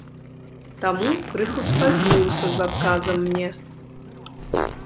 Таму крыху спазніўся з адказам мне.